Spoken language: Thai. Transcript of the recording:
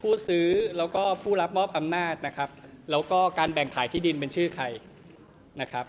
ผู้ซื้อแล้วก็ผู้รับมอบอำนาจนะครับแล้วก็การแบ่งขายที่ดินเป็นชื่อใครนะครับ